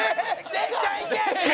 せんちゃんいけ！